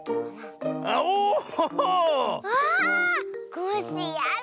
コッシーやる！